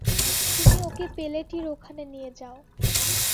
তুমি ওকে পেলেটির ওখানে নিয়ে যাও।